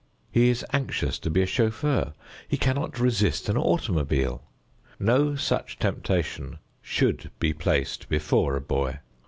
He is anxious to be a chauffeur. He cannot resist an automobile. No such temptation should be placed before a boy.